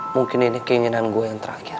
mungkin ini keinginan gue yang terakhir